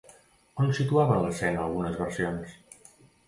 On situaven l'escena algunes versions?